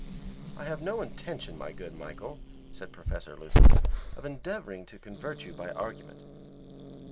"I have no intention, my good Michael," said Professor Lucifer, "of endeavouring to convert you by argument.